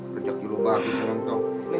rejeki lu bagus ya